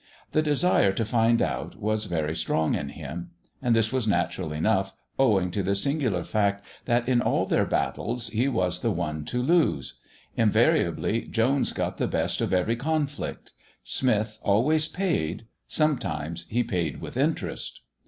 The desire to find out was very strong in him. And this was natural enough, owing to the singular fact that in all their battles he was the one to lose. Invariably Jones got the best of every conflict. Smith always paid; sometimes he paid with interest.